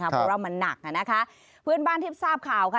เพราะว่ามันหนักนะคะเพื่อนบ้านที่ทราบข่าวค่ะ